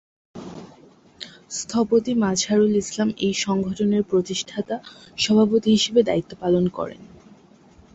স্থপতি মাজহারুল ইসলাম এই সংগঠনের প্রতিষ্ঠাতা সভাপতি হিসেবে দ্বায়িত্ব পালন করেন।